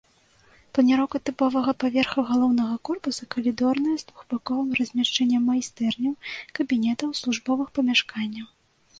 Планіроўка тыпавога паверха галоўнага корпуса калідорная з двухбаковым размяшчэннем майстэрняў, кабінетаў, службовых памяшканняў.